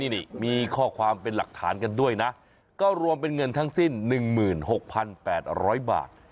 นี่มีข้อความเป็นหลักฐานกันด้วยนะก็รวมเป็นเงินทั้งสิ้น๑๖๘๐๐บาท